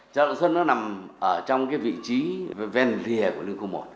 chợ đồng xuân nằm trong vị trí ven liề của liên khu một